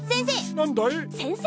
なんだい？